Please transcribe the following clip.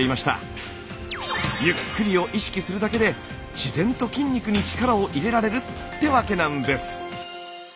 ゆっくりを意識するだけで自然と筋肉に力を入れられるってわけなんです。